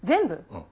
うん。